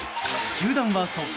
球団ワースト１４